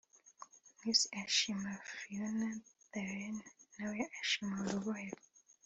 Miss Ashimwe Fiona Dreen na we washinze ‘Urubohero’